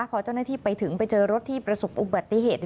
พอเจ้าหน้าที่ไปถึงไปเจอรถที่ประสบอุบัติเหตุ